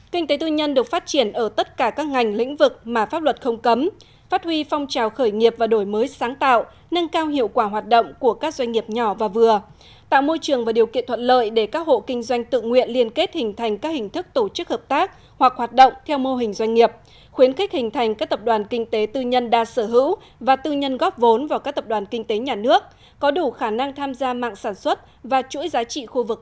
kinh tế tư nhân được phát triển ở tất cả các ngành lĩnh vực mà pháp luật không cấm phát huy phong trào khởi nghiệp và đổi mới sáng tạo nâng cao hiệu quả hoạt động của các doanh nghiệp nhỏ và vừa tạo môi trường và điều kiện thuận lợi để các hộ kinh doanh tự nguyện liên kết hình thành các hình thức tổ chức hợp tác hoặc hoạt động theo mô hình doanh nghiệp khuyến khích hình thành các tập đoàn kinh tế tư nhân đa sở hữu và tư nhân góp vốn vào các tập đoàn kinh tế nhà nước có đủ khả năng tham gia mạng sản xuất và chuỗi giá tr